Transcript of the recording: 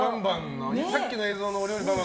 さっきの映像の「お料理ＢＡＮ！